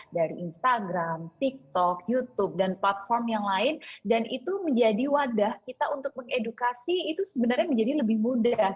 dari instagram tiktok youtube dan platform yang lain dan itu menjadi wadah kita untuk mengedukasi itu sebenarnya menjadi lebih mudah